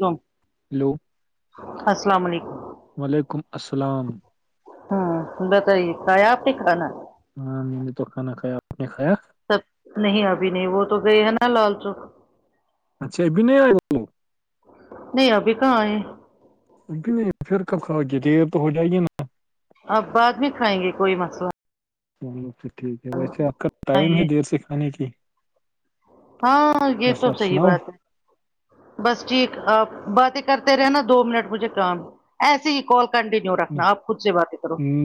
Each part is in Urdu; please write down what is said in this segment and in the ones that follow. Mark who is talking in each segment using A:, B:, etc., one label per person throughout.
A: ہو
B: ہیلو
A: السلام علیکم
B: و ععلیکم السلام
A: ہوں بتائیے کہیا آپ کے کھانا
B: ہاں میں نے تو کھانا کھایا آپ نے کھایا
A: سب نہیں ابھی نہیں وہ تو گئے ہیں نا لال چوک
B: اچھا ابن وہ
A: نہیں ابھی کہاں ہے
B: نہیں پھر کب کھاؤیے دیر تو ہو جائے گی نا
A: اب بعد میں کھائیں گے کوئی مسئلہ
B: وہ تو ٹھیک ہے ویسےپ کا ٹائم ہے دیر سے کھانے کی
A: ہاں یہ
B: بس
A: تو
B: آپ
A: صحیح
B: سناؤ
A: بات ہے
B: [inaudible]
A: بس ٹھیک آپ باتیں کرتے رہےناا دو منٹ مجھے کام ایسے ہی کال کنڈینو
B: نہیں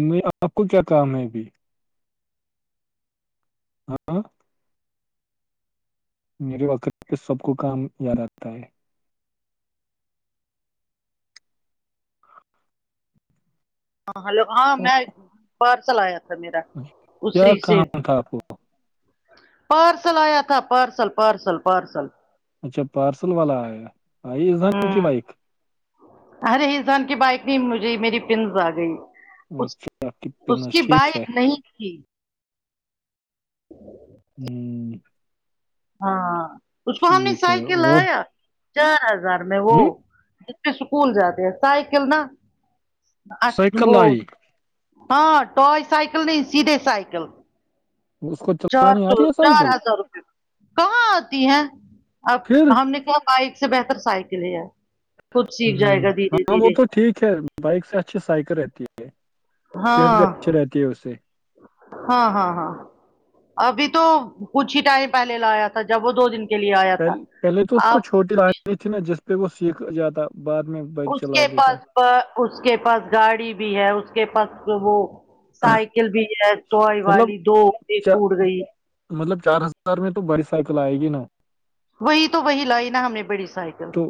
B: نہیں آپ کو کیا کام ہے ابھی ہاں میرے وقر پ سب کو کام یاد آتا ہے
A: ہاں ہلو ہاں
B: او،
A: میں کار چلایا تھا میرا
B: کیا
A: اسی سے
B: کام تھا آپ کو
A: پارسل آیا تھا پارسل پارسل پارسل
B: اچھا پارسل والا آیا آئی ایزان کی
A: ہوں
B: بائک
A: ارے ہسان کی بائک نہیں مجھے میری پنس آ گئی
B: اچھا آپ کی
A: اس
B: پنس
A: کی بائ
B: ٹھیک ہے
A: نہیں تھی [inaudible]
B: ہوں
A: ہاں اس کو ہم نے
B: ٹھیک
A: سح
B: ہے
A: کے
B: اور
A: لایا چار ہزار میں وہ
B: ہ
A: اسکول جاتے ہیں سائیکل نا چ
B: سائیکل
A: وہ
B: آئی
A: ہاں ٹائے سائیکل نہیں سیدھے سائیکل
B: اس کو
A: چار
B: چلانی آ
A: سو
B: رہی ہے
A: چار
B: سائیکل
A: ہزار روپے کہاں آتی ہیں اب
B: پھر
A: ہم نے کہ بائک سے بہتر سائیکل ہے کچھ سیکھ جائے گا دھیرے
B: ہاں وہ
A: دھیرے
B: تو ٹھیک ہے بائک سے اچھی سائیکل رہتی ہے صحت
A: ہاں
B: بھی اچھی رہتی ہے اس سے
A: ہاں ہاں ہاں ابھی تو کچھ ہی ٹائم پہلے لایا تھا جب وہ دو دن کے لیے آیا تھا
B: پہل- پہلے تو اس کو
A: اپ
B: چھوٹی لائ تھی نا جس پہ وہ سیکھ جاتا بعد میں بائک
A: اس
B: چلا
A: کے
B: لیتا
A: پاس اس کے پاس گاڑی بھی ہے اس کے پاس وہ سائیکل بھی ہے ٹوائے
B: مطلب
A: والی دو
B: چا-
A: ٹوٹ گئی
B: مطلب چار ہزار میں تو بڑی سائیکل آئے گی نا
A: وہی تو وہی لائی نا ہم نے بڑی سائیکل
B: تو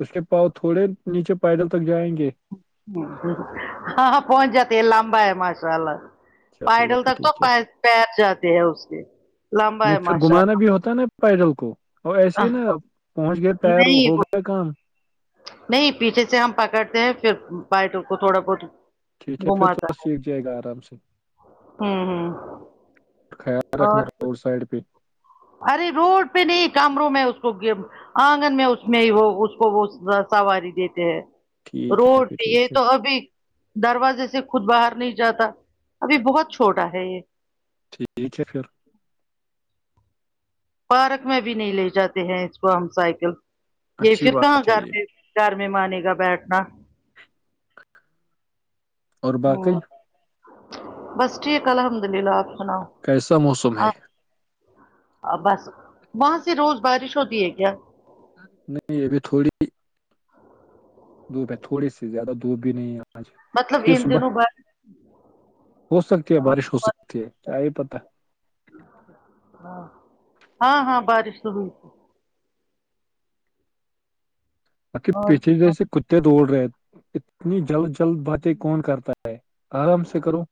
B: اس کے پاؤ تھوڑے نیچے پائیدل تک جائیں گے
A: ہ ہاں پہنچ جاتی ہے لمبا ہے ماشاء اللہ
B: چلو
A: پائڈل
B: پھر
A: تک تو
B: ٹھیک ہے
A: پیر جاتے ہے اس کے لمبا ہے ماشاء اللہ
B: پیدل کو اور ایسے ہی نا پہنچ گئے پیر ہو
A: نہیں وہ
B: گیا کام
A: نہیں پیچھے سے ہم پکڑتے ہیں پھر پائٹ کو تھوڑا بہت
B: ٹھیک ہے پھر تو
A: گھماتا
B: بس
A: ہے
B: سیکھ جائے گا آرام سے
A: ہوں ہوں
B: خیال رکھنا
A: اور
B: ر سائڈ پہ
A: ارے روڈ پہ نہیں کامروں میں اس کو آنگن میں اس میں ہی وہ اس کو وہ سواری دیتے ہیں
B: ٹھیک ہے
A: روڈ
B: پھر
A: یہ
B: ٹھیک ہے
A: تو ابھی دروازے سے خود باہر نہیں جاتا ابھی بہت چھوٹا ہے یہ
B: ٹھیک ہے پھر
A: پارک میں بھی نہیں لے جاتے ہیں اس کو ہم سائیکل یہ
B: اچھی
A: پھر کہاں
B: بات ہے یہ
A: گاتے گھر میں مانے گا بیٹھنا
B: اور باقی
A: ہوں بس ٹھیک الحمد للہ آپ سناؤ
B: کیسا موسم ہے
A: بس وہاں سے روز بارش ہوتی ہے کیا
B: نہیں ابھی تھوڑی دھوپ ہے تھوڑی سی زیادہ دھوپ بھی نہیں ہے
A: مطلب
B: پھر
A: ان
B: صبح
A: دنوں با
B: ہو سکتی ہے بارش ہو سکتی ہے کیا یہ پتا
A: ہاں ہاں بارش تو ہوئی تھی
B: باقی پیچھے ج
A: اور
B: سے کتے دوڑ رہے اتنی جلد جلد باتیں کون کرتا ہے آرام سے کرو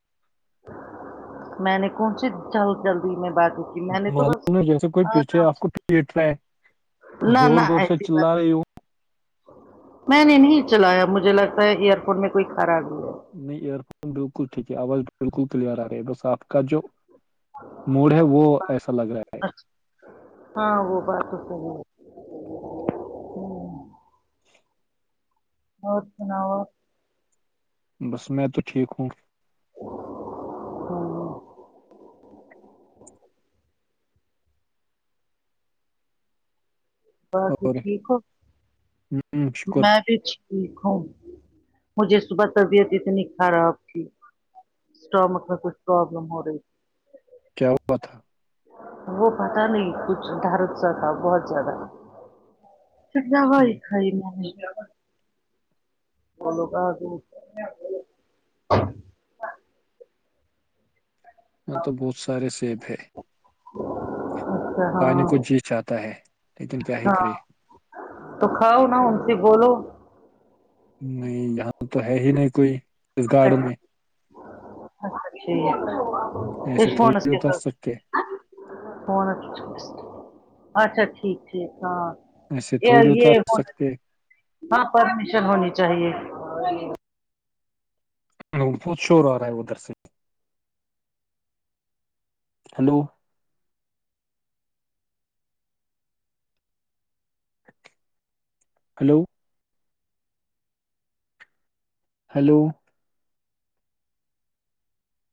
A: میں نے کون سی جلد جلدی میں باتیں کی میں نے تو بس
B: معلوم جیسے کوئی پیچھے آپ کو ھیٹ رہا ہے
A: نہ نہ
B: زور زور سے
A: ایسی بات
B: چلا رہی
A: نہیں،
B: ہوں
A: میں نے نہیں چلایا مجھے لگتا ہے ایئر فون میں کوئی خرابی ہے
B: نہیں ایئر فون بالکل ٹھیک ہے آواز بالکل کلیئر آ گی ہے بس آپ کا جو موڈ ہے وہ ایسا لگ رہا ہے
A: اچھا ہاں وہ بات تو صحیح ہے ہوں، اور سناؤ آپ
B: بس میں تو ٹھیک ہوں
A: ہمم بس
B: اور
A: ٹھیک ہو
B: ہوں شکر
A: میں بھی ٹھیک ہوں مجھے صبح طبیعت اتنی خراب آپ کی اسٹامک میں کچھ پروابلم ہو رہی
B: کیا ہوا تھا
A: وہ پتا نہیں کچھ ڈرت سا تھا بہت زیادہ تھا پھر
B: ہوں،
A: دوائی کھائی میں نے
B: یہ تو بہت سارے سیب ہے
A: [inaudible]
B: کھانے کو جی چاہتا ہے لیکن کیا ہی
A: ہاں
B: کرے
A: تو کھاؤ نا ان سے بولو
B: نہیں یہاں تو ہے ہی نہیں کوئی اس گارڈن میں
A: اچھا ٹھیک اس
B: ایسے
A: فونس
B: تھوڑی
A: کے
B: اتر
A: ساتھ
B: سکتے
A: اچھا ٹھیک ٹھیک ہاں
B: ایسے تھوڑی اتر
A: یہ ہونا
B: سکتے
A: ہاں پرمیشن ہونی چاہیے
B: بہت شور آ رہا ہے ادھر سے ہیلو ہلو ہیلو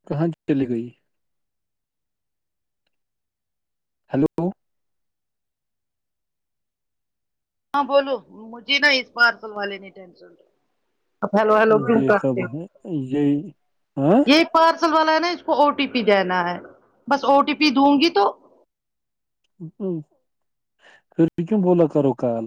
B: کہاں چلی گئی ہیلو
A: ہاں بولو مجھے نا اس پارسل والے نہیں ٹینشن ہلو ہیلو کین
B: دیکھا
A: کرتے
B: بھائی، یہی ہاں
A: یہ پارسل والا ہے نا اس کو او ٹی پی دینا ہے بس او ٹی پی دوں گی تو
B: خری کیم بولا کرو کال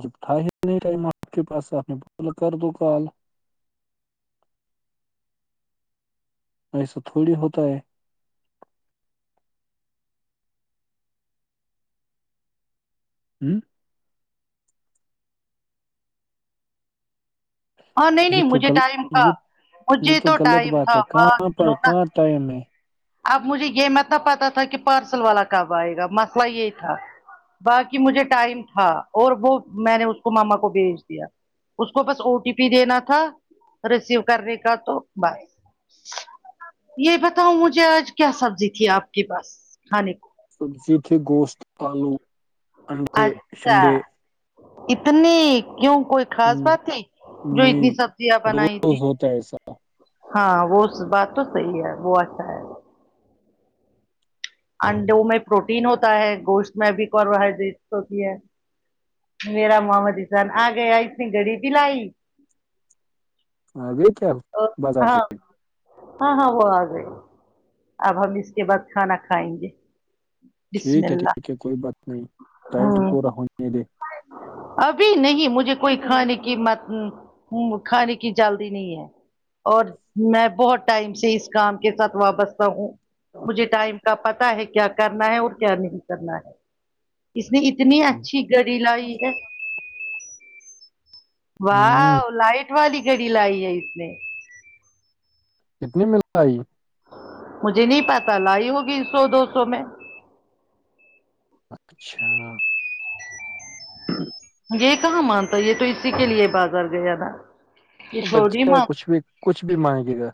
B: جپٹھ ہی ٹائم آپ کے پاس آپ نے بلا کر دو کال ایسا تھوڑی ہوتا ہے [inaudible]
A: ہاں نہیں
B: یہ
A: نہیں
B: تو
A: مجھے
B: غل
A: ٹائم تھا
B: یہ یہ
A: مجھے
B: تو غلط
A: ٹائم
B: بات
A: تھا
B: ہے کہ
A: بات
B: پر
A: سنو نا
B: کہہ ائم ہے
A: اب مجھے یہ متب پتتا تھا کہ پارسل والا کب آئے گا مسئلہ یہی تھا باقی مجھے ٹائم تھا اور وہ میں نے اس کو ماما کو بھیج دیا اس کو بس او ٹی پی دینا تھا ریسیو کرنے کا تو بس یہ بتاؤ مجھے آج کیا سبزی تھی آپ کے پاس کھانے کو
B: سبزی تھی گوشت آلو انڈے
A: اچھا
B: چنڈے
A: اتنی کیوں کوئی خاص بات تھی جو اتنی
B: نہیں
A: سبزیاں بنائی تھی
B: روز ہوتا ہے ایسا
A: ہاں وہ بات تو صحیح ہے وہ اچھا ہے انڈوں میں پروٹین ہوتا ہے گوشت میں بھی کاربوہائڈریٹس ہوتی ہے میرا مام جسان آ گیا اتنی گڑی دلائی
B: ہاں گے کیا
A: اور
B: بازار
A: ہاں
B: سے
A: ہاں ہاں وہ آ گئے اب ہم اس کے بعد کھانا کھائیں گے
B: ٹھیک
A: بسم
B: ہے
A: اللہ
B: ٹھیک ہے کوئی بات نہیں ٹائم تو
A: ہوں
B: پورا ہونے دے
A: ابھی نہیں مجھے کوئی کھانے کی مت ہ کھانے کی چلتی نہیں ہے اور میں بہت ٹائم سے اس کام کے ساتھ وابستہ ہوں مجھے ٹائم کا پتا ہے کیا کرنا ہے اور کیا نہیں کرنا ہے اس نے اتنی اچھی گڑی لائی ہے
B: ہوں
A: واہ لائٹ والی گھڑی لائی ہے اس نے
B: کتنی ملتاائی
A: مجھے نہیں پتا لائی ہوگی سو دو سو میں
B: اچھا
A: یہ کہاں مانتا ہے یہ تو اسی کے لیے بازار گیا نا
B: بچے کچھ بھی کچھ بھی مان گے گا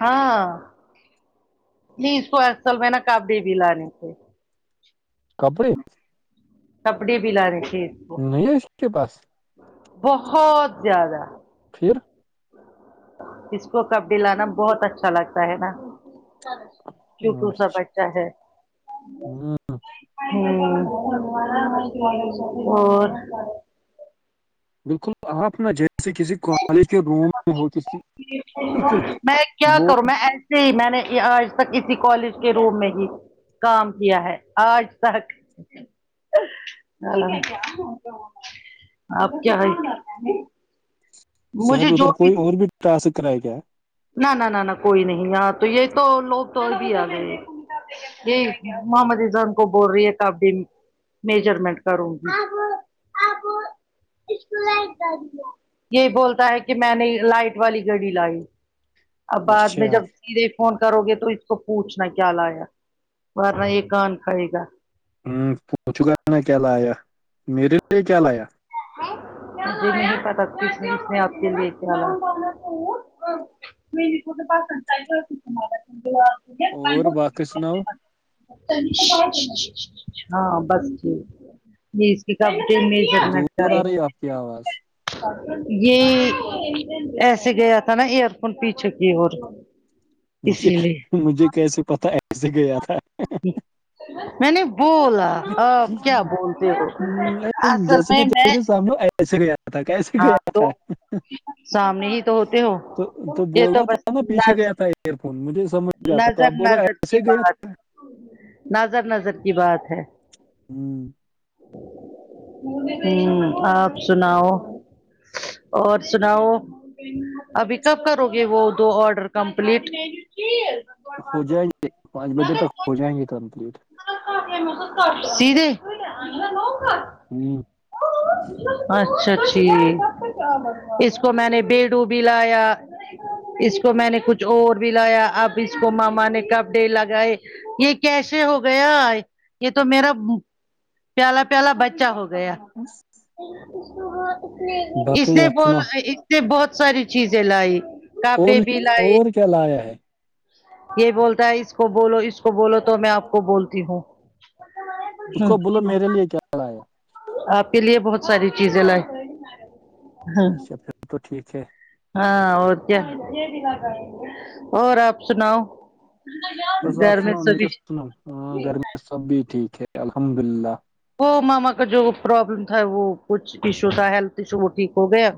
A: ہاں پلیز کو اصل میں نا کاپ دے بھی لانے پ
B: کپڑی
A: کپڑے بھی لا رہے تھھی
B: نہیں ہے اس کے باس
A: بہت زیادہ
B: پھر
A: اس کو کب بھیی لانا بہت اچھا لگتا ہے نا کیوںٹ سا
B: اچھا
A: بچہ ہے [inaudible]
B: ہوں بالکل آپنا ج جے کسی کالج کے روم میں ہو ک بالکل
A: میں کیا
B: ب
A: کروں میں ای جی میں نے آج تک اسی کالج کے روم میں کی کام کیا ہے آج تک ال آپ کیا ہے
B: شاید
A: مجھے جو
B: ادھر کوئی اور بھی ٹسک کرایا گیا ہے
A: نہ نہ نہ نہ کوئی نہیں ہاں تو یہ تو لوگ تو بھی آ گئے یہی محمد ازان کو بول رہی ہے کپڑے میجرمنٹ کروں گی یہی بولتا ہے کہ میں نے لائٹ والی گڑی لائی اب
B: ہے
A: بعد میں
B: اچھا
A: جب سیدھے فون کرو گے تو اس کو پوچھنا کیا لایا ورنا یہ کان کھائے گا
B: ہمم پوچھوں گا نا کیا لایا میرے لیے کیا لایا
A: مجھے نہیں پتہ اس اس نے اپ کے لیے کیا لایا میے کو تو با کرتا ہے تو
B: اور باقی سناؤ
A: ہاں بس ٹھیک یہ اس کی کپڑے میجرمنٹ
B: دور آ رہی ہے آپ کی آواز
A: یہ ایسے گیا تھا نا ایئر فون پیچھے کی اور اسی لیے
B: مجھے کیسے پتا ایسے گیا تھا
A: میں نے بولا آپ کیا بولتے ہو اصل میں میں
B: سمجھو ایسے گیا تھا کیسے
A: ہاں
B: گیا
A: تو
B: تھا
A: سامنے ہی تو ہوتے ہو
B: تو تو
A: یہ
B: بولنا
A: بس
B: تھا نا پیچھے
A: نز
B: گیا تھا ایئر فون مجھے سمجھ آتا تو
A: نظر
B: اپ بول رہے ہو
A: نظر
B: ایسے
A: کی
B: گیا
A: بات
B: تھا
A: نظر نظر کی بات ہے
B: ہممم
A: ہمم آپ سناؤ اور سناؤ ابھی کب کرو گے وہ دو آڈر کمپلیٹ
B: ہو جائیں گے پانچ بجے تک ہو جائیں گے کمپلیٹ
A: سیدھے
B: ہمم
A: اچھا ٹی اس کو میں نے بیڈو بھی لایا اس کو میں نے کچھ اور بھی لایا اب اس کو ماما نے کپڑے لگائے یہ کیسے ہو گیا یہ تو میرا پیالا پیالا بچا ہو گیا
B: [unintelligible]
A: اس
B: باقی
A: نے
B: آپ سناؤ
A: بولا اس نے بہت ساری چیزیں لائی
B: اور
A: کپڑے بھی لائے
B: اور کیا لایا ہے
A: یہ بولتا ہے اس کو بولو اس کو بولو تو میں آپ کو بولتی ہوں
B: تو
A: ہ
B: کو بولو میرے لیے کیا لایا
A: آپ کے لیے بہت ساری چیزیں لائے ہاں
B: اچھا پھر تو ٹھیک ہے
A: ہاں اور کیا اور آپ سناؤ [unintelligible]
B: بس آپ سنا میں کیا سناؤں ہاں گھر میں سب بھی ٹھیک ہے الحمد للہ
A: وہ ماما کا جو پرابلم تھا وہ کچھ ایشو تھا ہیلتھ ایشو وہ ٹھیک ہو گیا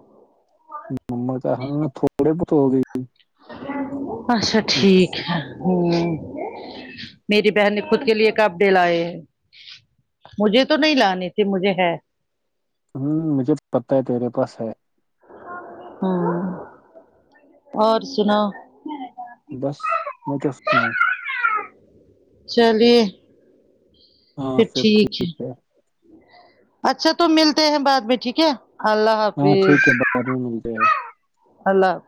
B: مطلب ہاں تھوڑے بہت تو ہو گئی
A: اچھا ٹھیک ہے ہمم میری بہن نے خود کے لیے کپڑے لائے ہیں مجھے تو نہیں لانے تھے مجھے ہے
B: ہمم مجھے پتا ہے تیرے پاس ہے
A: ہمم اور سناو
B: بس میں کیا سناؤں
A: چلیے
B: ہاں سب ٹھیک ہے
A: اچھا تو ملتے ہیں بعد میں ٹھیک ہے اللہ
B: ہاں
A: حافظ
B: ٹھیک ہے بعد میں ملتے ہیں
A: اللہ